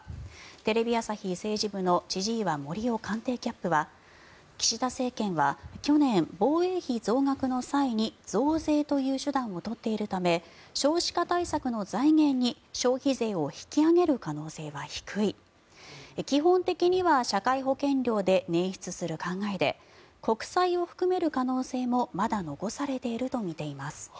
テレビ朝日政治部の千々岩森生官邸キャップは岸田政権は去年防衛費増額の際に増税という手段を取っているため少子化対策の財源に消費税を引き上げる可能性は低い基本的には社会保険料で捻出する考えで国債を含める可能性もまだ残されているとみています。